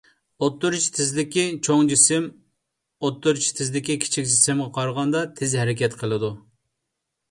ئوتتۇرىچە تېزلىكى چوڭ جىسىم ئوتتۇرىچە تېزلىكى كىچىك جىسىمغا قارىغاندا تېز ھەرىكەت قىلىدۇ.